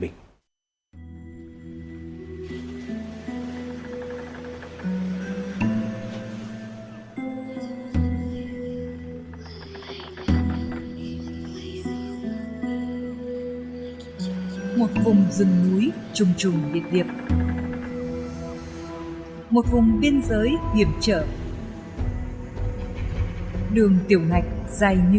bình thường một vùng dừng núi trùm trùm biệt điệp một vùng biên giới điểm trở đường tiểu mạch dây như